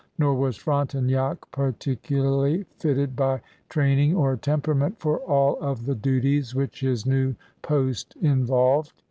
Nor was Frontenac particularly fitted by training or temperament for all of the duties which his new post involved.